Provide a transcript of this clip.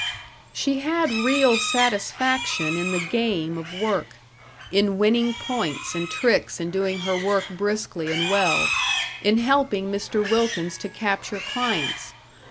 She had real satisfaction in the game of work in winning points and tricks in doing her work briskly and well, in helping Mr. Wilkins to capture clients.